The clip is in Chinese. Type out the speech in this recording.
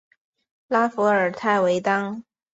拉弗尔泰维当。